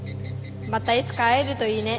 またいつか会えるといいね。